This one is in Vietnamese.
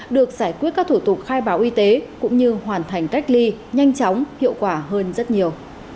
được giải quyết các thủ tục khai báo y tế cũng như hoàn thành cách ly nhanh chóng hiệu quả hơn rất nhiều